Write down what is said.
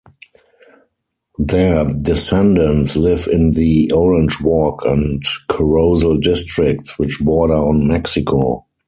Their descendants live in the Orange Walk and Corozal districts, which border on Mexico.